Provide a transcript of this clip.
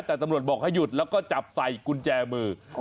แต่ตำรวจบอกให้หยุดแล้วก็จับใส่กุญแจมือ